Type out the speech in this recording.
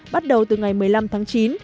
bắt đầu từ ngày một mươi năm tháng chín